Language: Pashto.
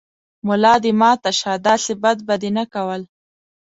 ملا دې ماته شۀ، داسې بد به دې نه کول